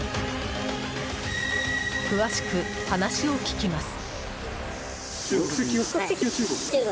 詳しく話を聞きます。